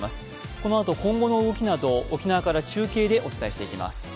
このあと今後の動きなど沖縄から中継でお伝えしていきます。